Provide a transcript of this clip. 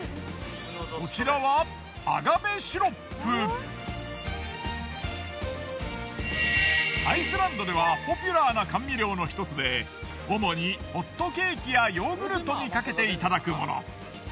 こちらはアイスランドではポピュラーな甘味料の１つで主にホットケーキやヨーグルトにかけていただくもの。